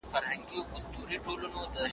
دا وسايل زيات لګښت نه غواړي.